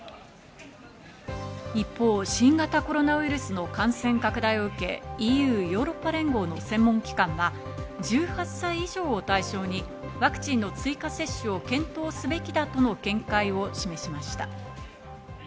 一方、新型コロナウイルスの感染拡大を受け、ＥＵ＝ヨーロッパ連合の専門機関は１８歳以上を対象にワクチンの追加接種を検討すべきだとの見解を示しました。